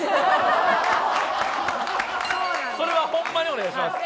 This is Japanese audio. それはホンマにお願いします。